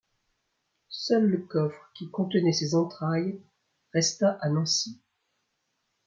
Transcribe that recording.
Seul le coffre qui contenait ses entrailles resta à Nancy.